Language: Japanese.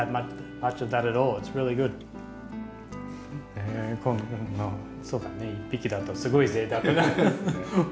へえそうだね１匹だとすごいぜいたく。